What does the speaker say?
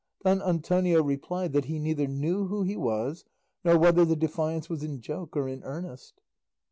Don Antonio replied that he neither knew who he was nor whether the defiance was in joke or in earnest.